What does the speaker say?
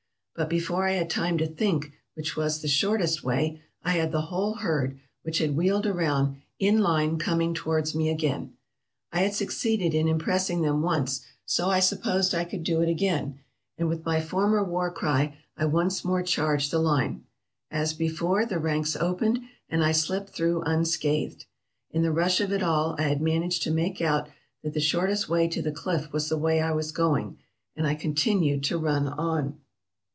But before I had time to think which was the shortest way, I had the whole herd, which had wheeled round, in line coming towards me again. I had succeeded in impressing them once, so I supposed I could do it again, and, with my former war cry, I once more charged the line. As before, the ranks opened, and I slipped through unscathed. In the rush of it all I had managed to make out that the shortest way to the cliff was the way I was going, and I continued to run on.